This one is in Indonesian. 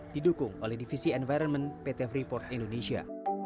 didukung oleh divisi environment pt freeport indonesia